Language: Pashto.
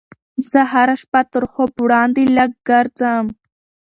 زه هره شپه تر خوب وړاندې لږ ګرځم.